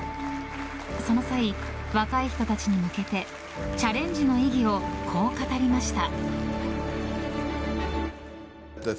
その際、若い人たちに向けてチャレンジの意義をこう語りました。